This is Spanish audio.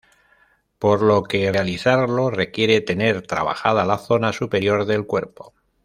Por lo que realizarlo requiere tener trabajada la zona superior del cuerpo.